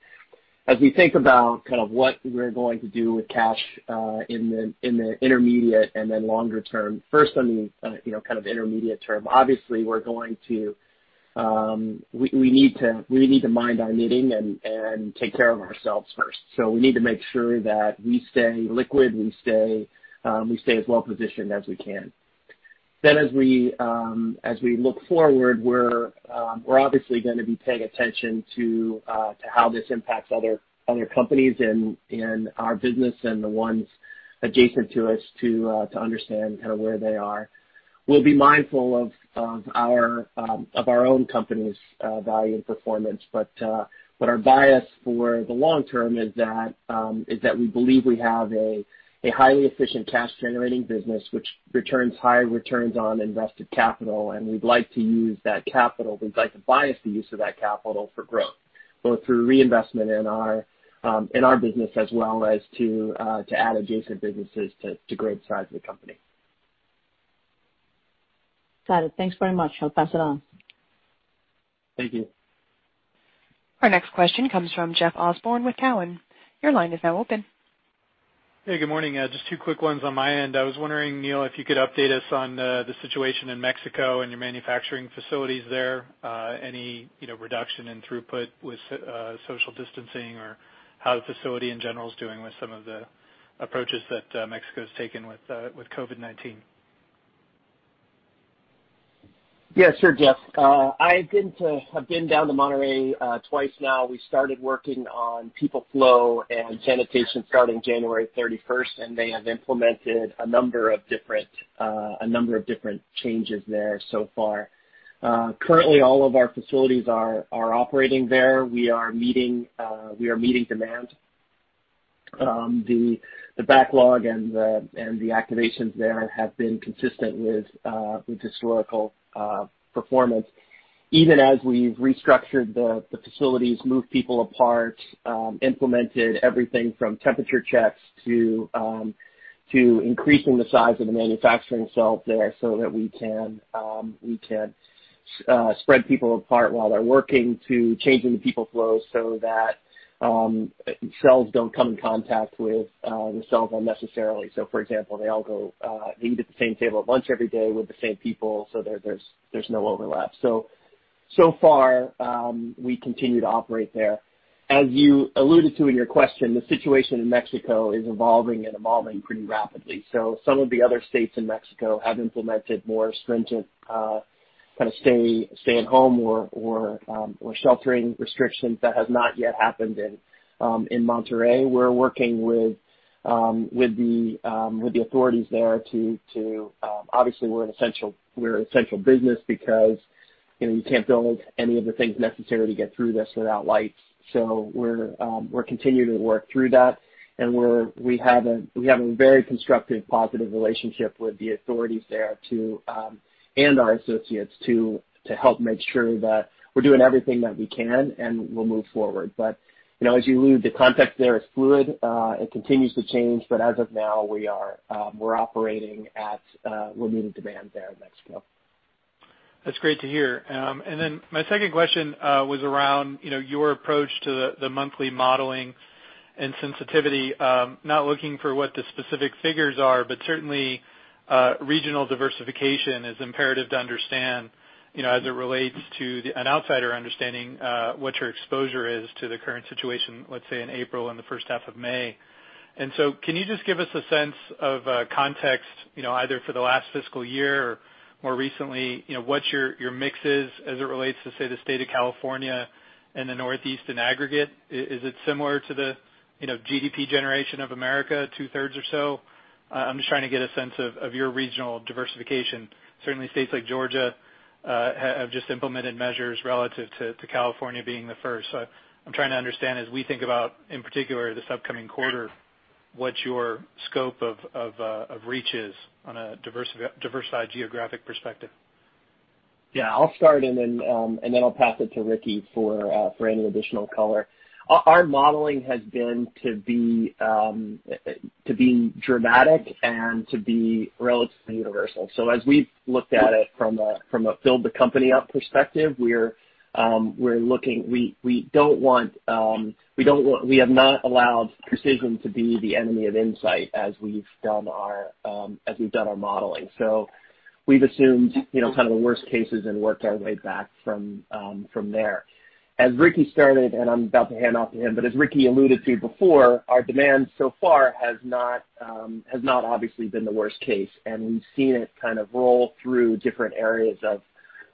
As we think about what we're going to do with cash in the intermediate and then longer term, first on the intermediate term, obviously we need to mind our knitting and take care of ourselves first. We need to make sure that we stay liquid, we stay as well positioned as we can. As we look forward, we're obviously going to be paying attention to how this impacts other companies in our business and the ones adjacent to us to understand where they are. We'll be mindful of our own company's value and performance. Our bias for the long term is that we believe we have a highly efficient cash-generating business which returns high returns on invested capital, and we'd like to bias the use of that capital for growth, both through reinvestment in our business as well as to add adjacent businesses to grow the size of the company. Got it. Thanks very much. I'll pass it on. Thank you. Our next question comes from Jeff Osborne with Cowen. Your line is now open. Hey, good morning. Just two quick ones on my end. I was wondering, Neil, if you could update us on the situation in Mexico and your manufacturing facilities there. Any reduction in throughput with social distancing, or how the facility in general is doing with some of the approaches that Mexico's taken with COVID-19? Yeah, sure, Jeff. I have been down to Monterrey twice now. We started working on people flow and sanitation starting January 31st, and they have implemented a number of different changes there so far. Currently, all of our facilities are operating there. We are meeting demand. The backlog and the activations there have been consistent with historical performance. Even as we've restructured the facilities, moved people apart, implemented everything from temperature checks to increasing the size of the manufacturing cell there so that we can spread people apart while they're working, to changing the people flow so that cells don't come in contact with the cell unnecessarily. For example, they eat at the same table at lunch every day with the same people, so there's no overlap. So far, we continue to operate there. As you alluded to in your question, the situation in Mexico is evolving and evolving pretty rapidly. Some of the other states in Mexico have implemented more stringent stay-at-home or sheltering restrictions that have not yet happened in Monterrey. We're working with the authorities there. Obviously, we're an essential business because you can't build any of the things necessary to get through this without lights. We're continuing to work through that, and we have a very constructive, positive relationship with the authorities there and our associates to help make sure that we're doing everything that we can, and we'll move forward. As you alluded, the context there is fluid. It continues to change, but as of now, we're meeting demand there in Mexico. That's great to hear. Then my second question was around your approach to the monthly modeling and sensitivity. Not looking for what the specific figures are, but certainly regional diversification is imperative to understand, as it relates to an outsider understanding what your exposure is to the current situation, let's say in April and the first half of May. So can you just give us a sense of context, either for the last fiscal year or more recently, what your mix is as it relates to, say, the state of California and the Northeast in aggregate? Is it similar to the GDP generation of America, two-thirds or so? I'm just trying to get a sense of your regional diversification. Certainly, states like Georgia have just implemented measures relative to California being the first. I'm trying to understand as we think about, in particular, this upcoming quarter, what your scope of reach is on a diversified geographic perspective. Yeah, I'll start, and then I'll pass it to Ricky for any additional color. As we've looked at it from a build the company up perspective, we have not allowed precision to be the enemy of insight as we've done our modeling. We've assumed kind of the worst cases and worked our way back from there. As Ricky started, and I'm about to hand off to him, but as Ricky alluded to before, our demand so far has not obviously been the worst case, and we've seen it kind of roll through different areas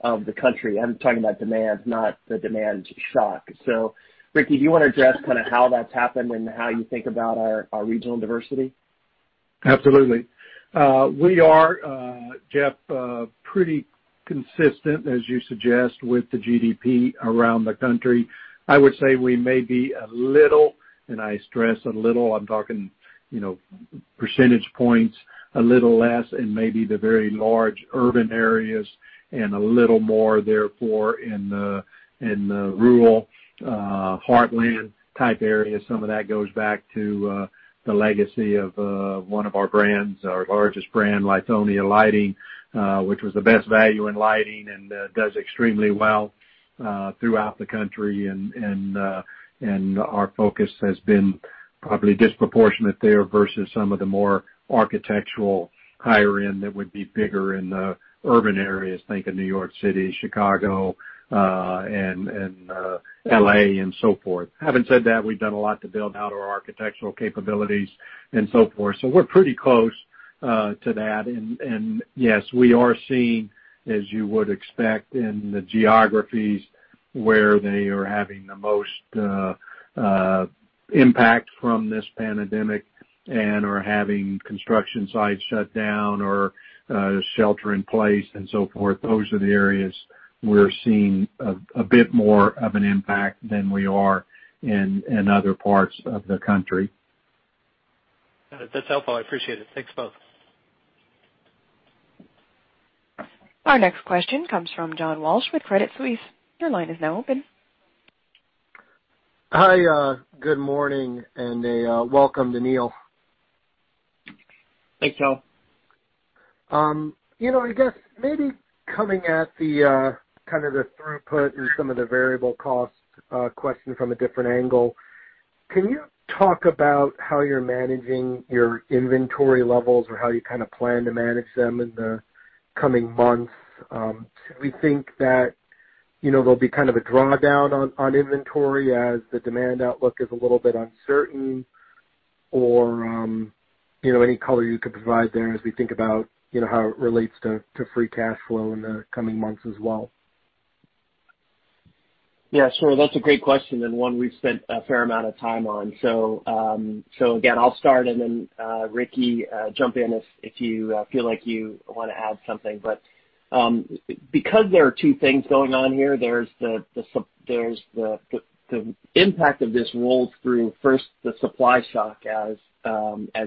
of the country. I'm talking about demand, not the demand shock. Ricky, do you want to address kind of how that's happened and how you think about our regional diversity? Absolutely. We are, Jeff, pretty consistent, as you suggest, with the GDP around the country. I would say we may be a little, and I stress a little, I'm talking percentage points, a little less in maybe the very large urban areas and a little more therefore in the rural, heartland type areas. Some of that goes back to the legacy of one of our brands, our largest brand, Lithonia Lighting, which was the best value in lighting and does extremely well throughout the country. Our focus has been probably disproportionate there versus some of the more architectural higher end that would be bigger in the urban areas. Think of New York City, Chicago, and L.A. and so forth. Having said that, we've done a lot to build out our architectural capabilities and so forth. We're pretty close to that. Yes, we are seeing, as you would expect, in the geographies where they are having the most impact from this pandemic and are having construction sites shut down or shelter in place and so forth. Those are the areas we're seeing a bit more of an impact than we are in other parts of the country. That's helpful, I appreciate it. Thanks, folks. Our next question comes from John Walsh with Credit Suisse. Your line is now open. Hi, good morning. A welcome to Neil. Thanks, John. I guess maybe coming at the kind of the throughput and some of the variable cost question from a different angle, can you talk about how you're managing your inventory levels or how you kind of plan to manage them in the coming months? Do we think that there'll be kind of a drawdown on inventory as the demand outlook is a little bit uncertain? Any color you could provide there as we think about how it relates to free cash flow in the coming months as well? Yeah, sure. That's a great question and one we've spent a fair amount of time on. Again, I'll start and then, Ricky, jump in if you feel like you want to add something. Because there are two things going on here. The impact of this rolled through, first, the supply shock as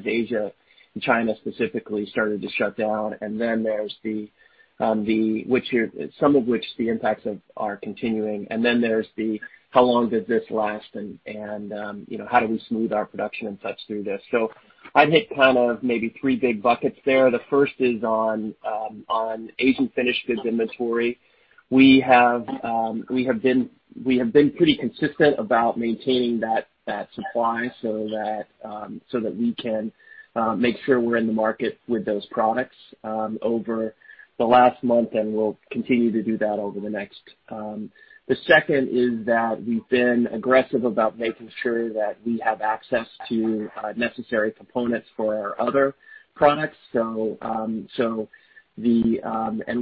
Asia, and China specifically, started to shut down. Some of which the impacts of are continuing. Then there's the how long does this last and how do we smooth our production and such through this. I'd hit kind of maybe three big buckets there. The first is on Asian finished goods inventory. We have been pretty consistent about maintaining that supply so that we can make sure we're in the market with those products over the last month, and we'll continue to do that over the next. The second is that we've been aggressive about making sure that we have access to necessary components for our other products.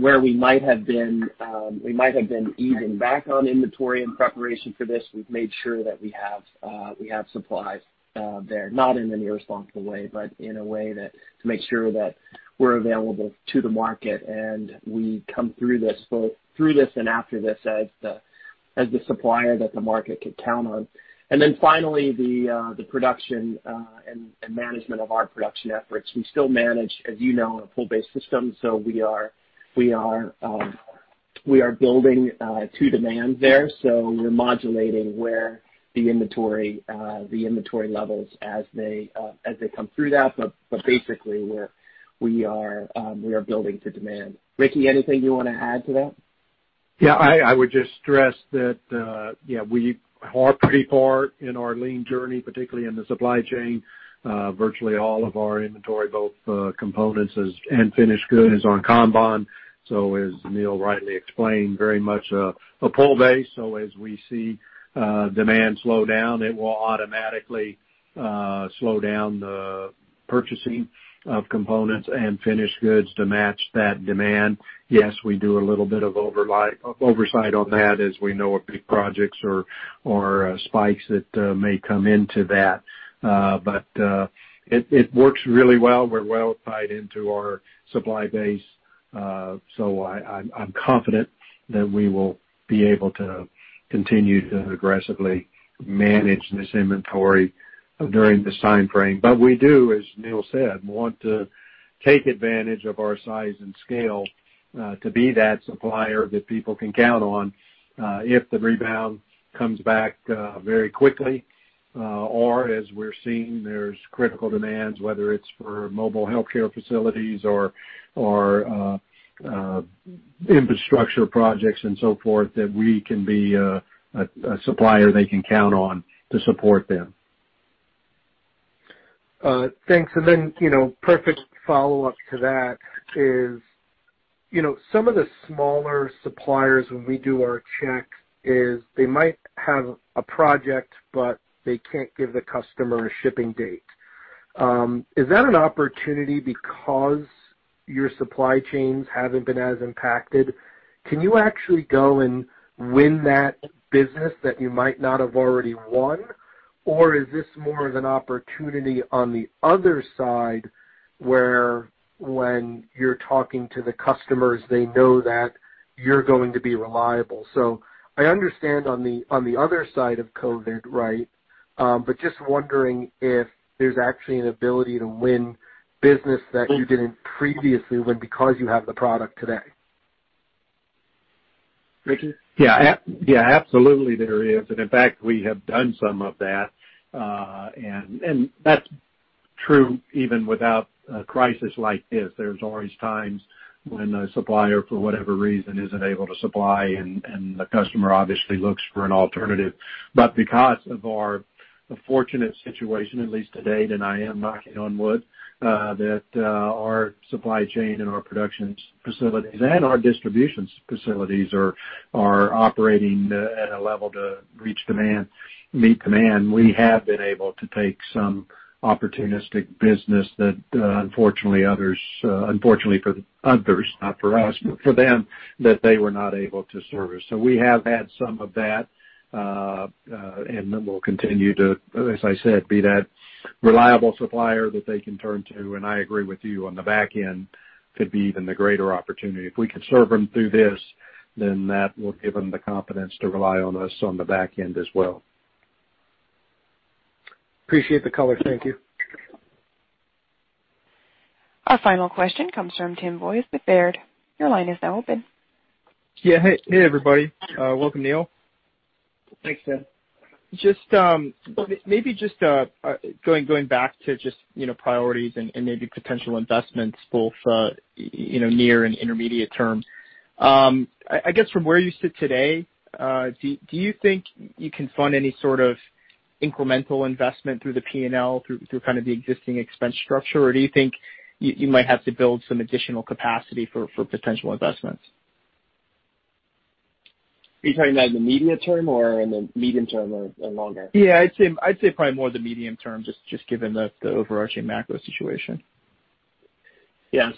Where we might have been easing back on inventory in preparation for this, we've made sure that we have supplies there. Not in an irresponsible way, but in a way to make sure that we're available to the market and we come through this and after this as the supplier that the market could count on. Finally, the production and management of our production efforts. We still manage, as you know, in a pull-based system. We are building to demand there. We're modulating where the inventory levels as they come through that. Basically, we are building to demand. Ricky, anything you want to add to that? Yeah, I would just stress that we are pretty far in our lean journey, particularly in the supply chain. Virtually all of our inventory, both components and finished goods, is on kanban. As Neil rightly explained, very much a pull base. As we see demand slow down, it will automatically slow down the purchasing of components and finished goods to match that demand. Yes, we do a little bit of oversight on that as we know of big projects or spikes that may come into that. It works really well. We're well tied into our supply base. I'm confident that we will be able to continue to aggressively manage this inventory during this time frame. We do, as Neil said, want to take advantage of our size and scale to be that supplier that people can count on if the rebound comes back very quickly, or as we're seeing, there's critical demands, whether it's for mobile healthcare facilities or infrastructure projects and so forth, that we can be a supplier they can count on to support them. Thanks. Perfect follow-up to that is some of the smaller suppliers when we do our checks is they might have a project, but they can't give the customer a shipping date. Is that an opportunity because your supply chains haven't been as impacted? Can you actually go and win that business that you might not have already won? Is this more of an opportunity on the other side where when you're talking to the customers, they know that you're going to be reliable. I understand on the other side of COVID, right? Just wondering if there's actually an ability to win business that you didn't previously win because you have the product today. Ricky? Yeah. Absolutely, there is. In fact, we have done some of that. That's true even without a crisis like this. There's always times when a supplier, for whatever reason, isn't able to supply, and the customer obviously looks for an alternative. Because of our fortunate situation, at least to date, and I am knocking on wood, that our supply chain and our production facilities and our distribution facilities are operating at a level to meet demand. We have been able to take some opportunistic business that unfortunately for others, not for us, but for them, that they were not able to service. We have had some of that, we'll continue to, as I said, be that reliable supplier that they can turn to, I agree with you on the back end could be even the greater opportunity. If we can serve them through this, then that will give them the confidence to rely on us on the back end as well. Appreciate the color. Thank you. Our final question comes from Timothy Wojs with Baird. Your line is now open. Yeah. Hey, everybody. Welcome, Neil. Thanks, Tim. Maybe just going back to just priorities and maybe potential investments, both near and intermediate term. I guess from where you sit today, do you think you can fund any sort of incremental investment through the P&L, through kind of the existing expense structure, or do you think you might have to build some additional capacity for potential investments? Are you talking about in the immediate term or in the medium term or longer? Yeah. I'd say probably more the medium term, just given the overarching macro situation. Yeah.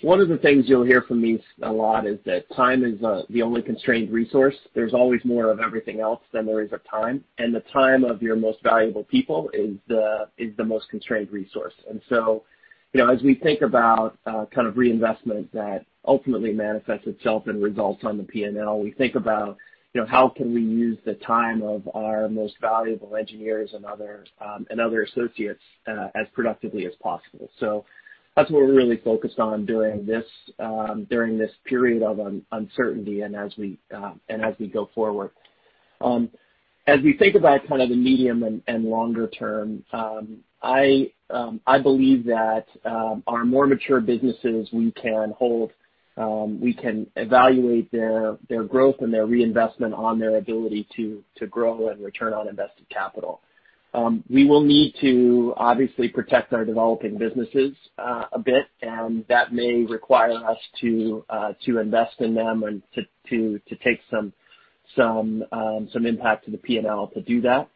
One of the things you'll hear from me a lot is that time is the only constrained resource. There's always more of everything else than there is of time, and the time of your most valuable people is the most constrained resource. As we think about kind of reinvestment that ultimately manifests itself and results on the P&L, we think about how can we use the time of our most valuable engineers and other associates as productively as possible. That's what we're really focused on during this period of uncertainty and as we go forward. As we think about kind of the medium and longer term, I believe that our more mature businesses, we can evaluate their growth and their reinvestment on their ability to grow and return on invested capital. We will need to obviously protect our developing businesses a bit. That may require us to invest in them and to take some impact to the P&L to do that.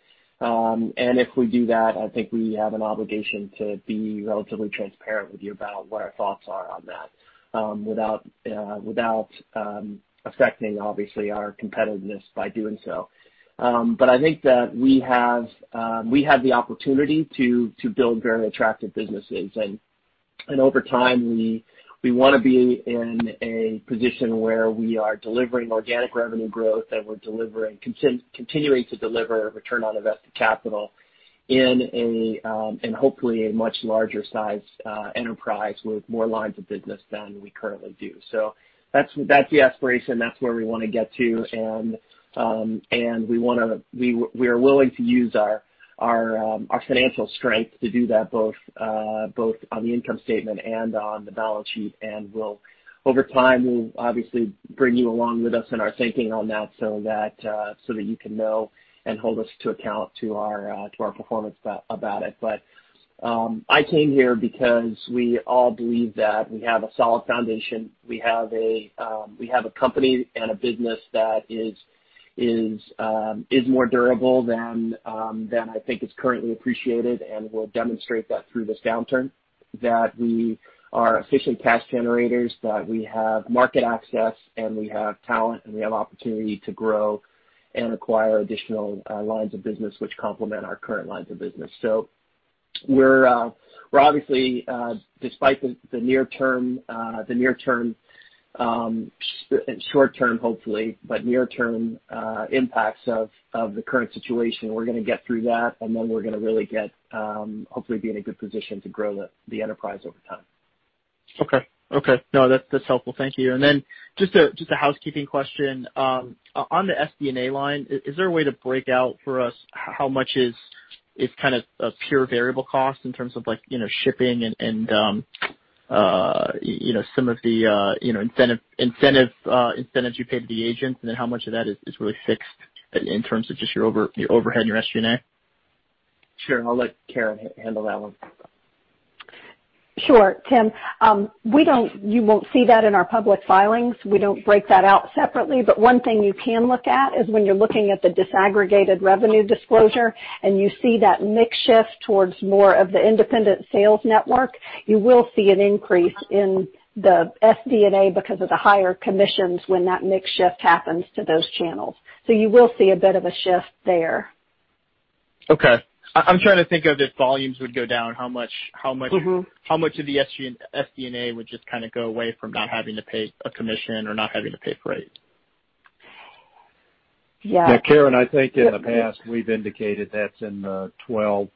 If we do that, I think we have an obligation to be relatively transparent with you about what our thoughts are on that, without affecting, obviously, our competitiveness by doing so. I think that we have the opportunity to build very attractive businesses, and over time, we want to be in a position where we are delivering organic revenue growth and we're continuing to deliver return on invested capital in hopefully a much larger size enterprise with more lines of business than we currently do. That's the aspiration. That's where we want to get to. We are willing to use our financial strength to do that, both on the income statement and on the balance sheet. Over time, we'll obviously bring you along with us in our thinking on that so that you can know and hold us to account to our performance about it. I came here because we all believe that we have a solid foundation. We have a company and a business that is more durable than I think is currently appreciated and will demonstrate that through this downturn. That we are efficient cash generators, that we have market access, and we have talent, and we have opportunity to grow and acquire additional lines of business which complement our current lines of business. We're obviously, despite the near term, short term, hopefully, but near term impacts of the current situation, we're going to get through that, and then we're going to really hopefully be in a good position to grow the enterprise over time. Okay. No, that's helpful. Thank you. Then just a housekeeping question. On the SD&A line, is there a way to break out for us how much is kind of a pure variable cost in terms of shipping and some of the incentives you pay to the agents? Then how much of that is really fixed in terms of just your overhead and your SD&A? Sure. I'll let Karen handle that one. Sure, Tim. You won't see that in our public filings. We don't break that out separately. One thing you can look at is when you're looking at the disaggregated revenue disclosure and you see that mix shift towards more of the independent sales network, you will see an increase in the SD&A because of the higher commissions when that mix shift happens to those channels. You will see a bit of a shift there. Okay. I'm trying to think of if volumes would go down, how much. How much of the SD&A would just kind of go away from not having to pay a commission or not having to pay freight? Yeah. Yeah, Karen, I think in the past, we've indicated that's in the 12%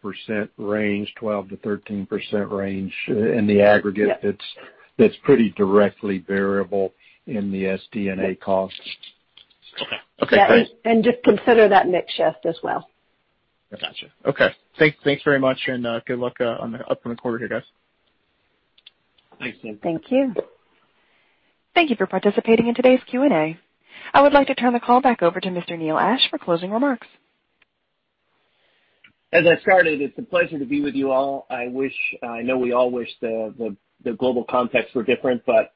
range, 12%-13% range in the aggregate. Yeah. That's pretty directly variable in the SD&A cost. Okay, great. Just consider that mix shift as well. I gotcha. Okay. Thanks very much, and good luck up on the quarter here, guys. Thanks, Tim. Thank you. Thank you for participating in today's Q&A. I would like to turn the call back over to Mr. Neil Ashe for closing remarks. As I started, it's a pleasure to be with you all. I know we all wish the global context were different, but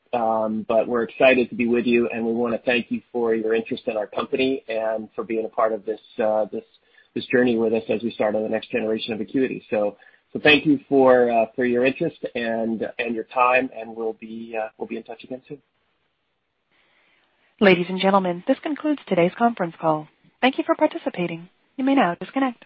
we're excited to be with you, and we want to thank you for your interest in our company and for being a part of this journey with us as we start on the next generation of Acuity. Thank you for your interest and your time, and we'll be in touch again soon. Ladies and gentlemen, this concludes today's conference call. Thank you for participating. You may now disconnect.